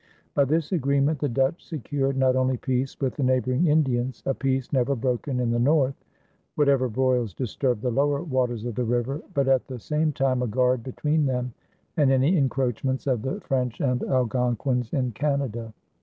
By this agreement the Dutch secured not only peace with the neighboring Indians a peace never broken in the north, whatever broils disturbed the lower waters of the river but at the same time a guard between them and any encroachments of the French and Algonquins in Canada.